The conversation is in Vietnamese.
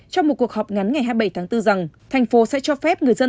trong một cuộc họp ngắn ngày hai mươi bảy tháng bốn rằng thành phố sẽ cho phép người dân